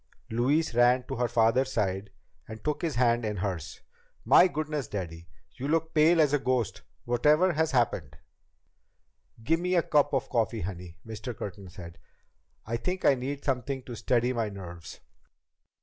Louise ran to her father's side and took his hand in hers. "My goodness, Daddy! You look as pale as a ghost. Whatever has happened?" "Get me a cup of coffee, honey," Mr. Curtin said. "I think I need something to steady my nerves."